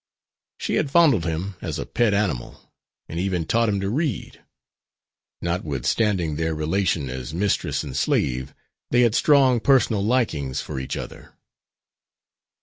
She had fondled him as a pet animal, and even taught him to read. Notwithstanding their relation as mistress and slave, they had strong personal likings for each other.